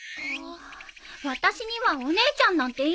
私にはお姉ちゃんなんていないもん！